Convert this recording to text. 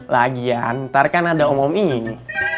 lagi ya ntar kan ada om om ini